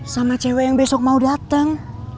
sama cewek yang besok mau datang